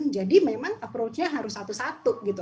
jadi memang approachnya harus satu satu gitu